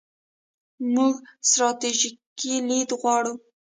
موږ ستراتیژیک لید غواړو.